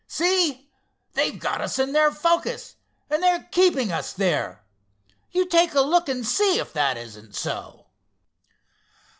"See! they've got us in their focus, and they're keeping us there. You take a look and see if that isn't so."